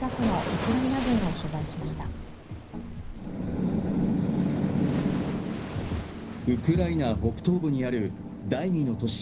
ウクライナ北東部にある第二の都市